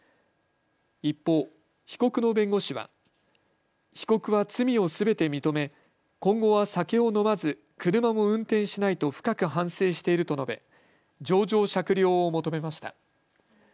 一方、被告の弁護士は被告は罪をすべて認め今後は酒を飲まず車も運転しないと深く反省していると述べ情状酌量を求めました。